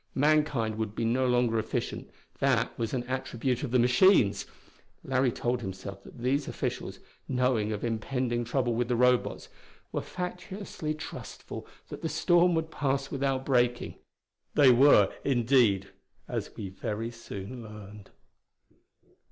Mankind would be no longer efficient; that was an attribute of the machines. Larry told himself that these officials, knowing of impending trouble with the Robots, were fatuously trustful that the storm would pass without breaking. They were, indeed, as we very soon learned.